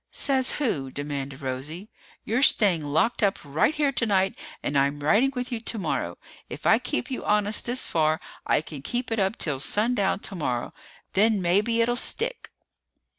"Says who?" demanded Rosie. "You're staying locked up right here tonight and I'm riding with you tomorrow. If I kept you honest this far, I can keep it up till sundown tomorrow! Then maybe it'll stick!"